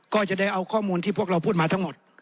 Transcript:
ก็จะได้เอาข้อมูลที่พวกเราพูดมาทั้งหมด